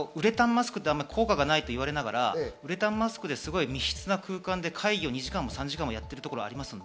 ウレタンマスクって効果がないと言われながらウレタンマスクで密室な空間で会議を２時間も３時間もやってるところがあります。